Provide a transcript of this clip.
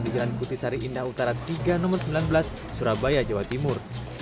di jalan butisari indah utara tiga nomor sembilan belas surabaya jawa timur